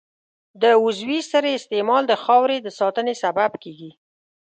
د عضوي سرې استعمال د خاورې د ساتنې سبب کېږي.